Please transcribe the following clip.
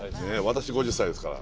私５０歳ですから。